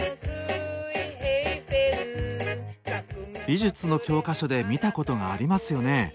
美術の教科書で見たことがありますよね？